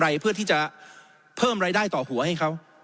อะไรเพื่อที่จะเพิ่มรายได้ต่อหัวให้เขา